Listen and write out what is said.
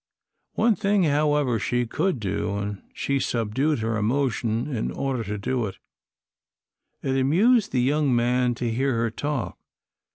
One thing, however, she could do, and she subdued her emotion in order to do it. It amused the young man to hear her talk.